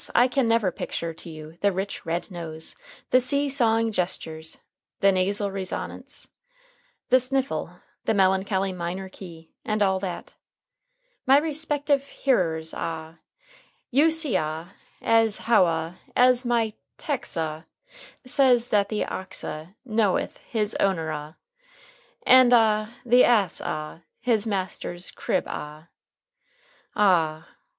I can never picture to you the rich red nose, the see sawing gestures, the nasal resonance, the sniffle, the melancholy minor key, and all that. "My respective hearers ah, you see ah as how ah as my tex' ah says that the ox ah knoweth his owner ah, and ah the ass ah his master's crib ah. A h h!